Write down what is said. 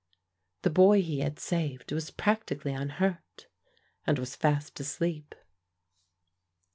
The boy he had saved was practically unhurt, and was fast asleep.